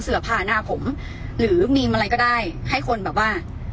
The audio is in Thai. เสื้อผ้าหน้าผมหรือมีมอะไรก็ได้ให้คนแบบว่า